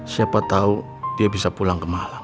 siapa tahu dia bisa pulang ke malang